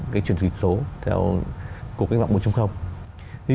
cái chuyển dịch số theo cổ kinh mạng một trăm linh